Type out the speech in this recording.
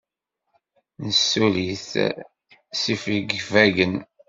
Nessuli-t s yifegfagen.